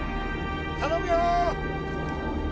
頼むよ！